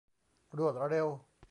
รวดเร็ว